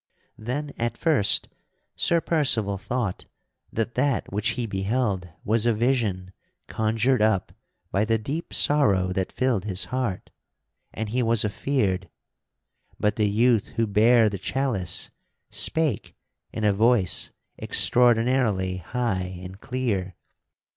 Then, at first, Sir Percival thought that that which he beheld was a vision conjured up by the deep sorrow that filled his heart, and he was afeard. But the youth who bare the chalice spake in a voice extraordinarily high and clear.